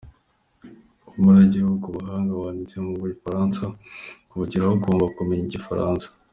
Umurage w’ubwo buhanga wanditse mu gifaransa; kubugeraho ugomba kumenya Igifaransa.